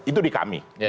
itu di kami